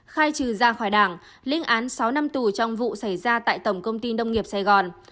khai trừ ra khỏi đảng linh án sáu năm tù trong vụ xảy ra tại tổng công ty nông nghiệp sài gòn